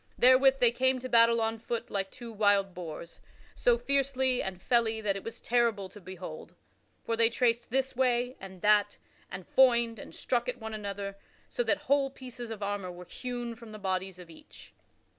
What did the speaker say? Therewith they came to battle on foot like two wild boars so fiercely and felly that it was terrible to behold. For they traced this way and that and foined and struck at one another so that whole pieces of armor were hewn from the bodies of each.